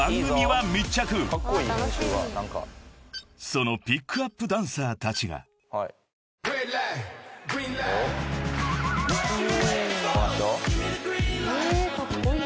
［そのピックアップダンサーたちが］ええカッコイイ！